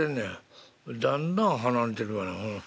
だんだん離れてくがな。